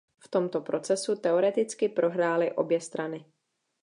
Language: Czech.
V tomto procesu teoreticky prohrály obě strany.